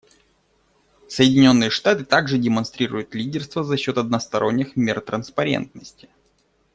Соединенные Штаты также демонстрируют лидерство за счет односторонних мер транспарентности.